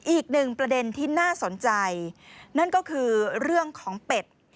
อีกหนึ่งประเด็นที่น่าสนใจนั่นก็คือเรื่องของเป็ด